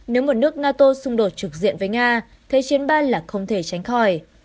nếu một nước nato xung đột trực diện với nga thế chiến ba là không thể tránh khỏi